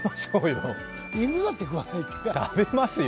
犬だって食わねえよ。